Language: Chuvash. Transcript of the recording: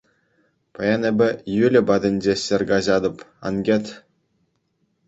Паян эпӗ Юля патӗнче ҫӗр каҫатӑп, ан кӗт.